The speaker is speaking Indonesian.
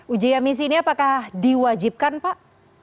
uji emisi ini apakah diwajibkan pak